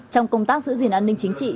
trong công tác giữ gìn an ninh chính trị